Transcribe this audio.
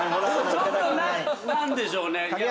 ちょっとなんでしょうね？